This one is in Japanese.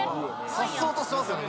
さっそうとしてますよね。